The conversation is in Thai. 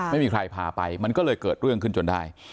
ไม่มีใครพาไปมันก็เลยเกิดเรื่องขึ้นจนได้